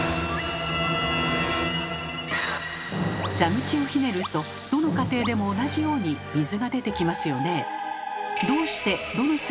蛇口をひねるとどの家庭でも同じように水が出てきますよねえ。